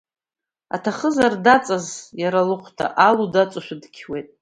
Аҭахызар даҵаз иара алыхәҭа, алу даҵоушәа дықьуеит.